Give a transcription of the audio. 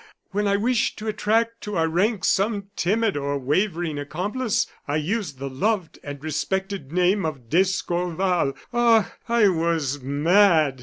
when I wished to attract to our ranks some timid or wavering accomplice, I used the loved and respected name of d'Escorval. Ah, I was mad!